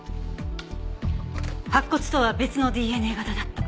白骨とは別のＤＮＡ型だった。